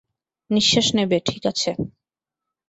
নিশ্বাস নেবে, ঠিক আছে।